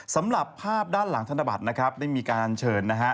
สำหรับภาพด้านหลังทานาบัติได้มีการเชิญ